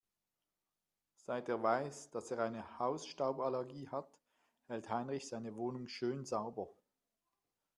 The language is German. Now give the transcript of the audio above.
Seit er weiß, dass er eine Hausstauballergie hat, hält Heinrich seine Wohnung schön sauber.